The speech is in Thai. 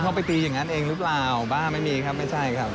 เขาไปตีอย่างนั้นเองหรือเปล่าบ้าไม่มีครับไม่ใช่ครับ